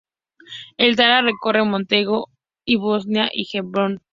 El Tara recorre Montenegro y Bosnia y Herzegovina.